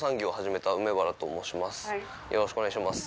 よろしくお願いします。